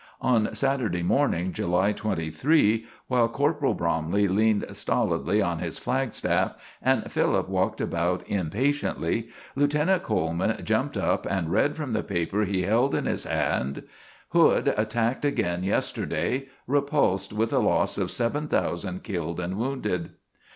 On Saturday morning, July 23, while Corporal Bromley leaned stolidly on his flagstaff, and Philip walked about impatiently, Lieutenant Coleman jumped up and read from the paper he held in his hand: "Hood attacked again yesterday. Repulsed with a loss of seven thousand killed and wounded."